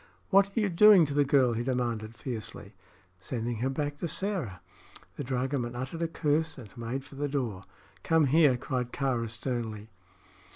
"What are you doing to the girl?" he demanded, fiercely. "Sending her back to Sĕra." The dragoman uttered a curse and made for the door. "Come here!" cried Kāra, sternly.